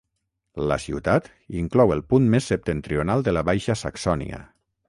La ciutat inclou el punt més septentrional de la Baixa Saxònia.